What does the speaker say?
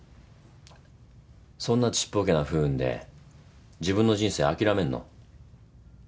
そんなちっぽけな不運で自分の人生諦めんの？